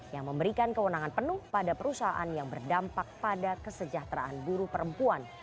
yang memberikan kewenangan penuh pada perusahaan yang berdampak pada kesejahteraan buruh perempuan